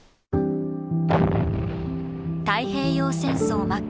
太平洋戦争末期。